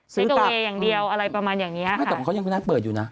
ซื้อตับอะไรประมาณอย่างนี้ค่ะไม่แต่ว่าเขายังน่าเปิดอยู่นะ